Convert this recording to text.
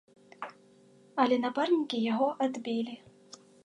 Але напарнікі яго адбілі.